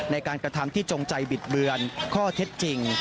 ในการกระทำที่จงใจบิดเบือนข้อเท็จจริง